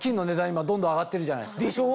今どんどん上がってるじゃないですか。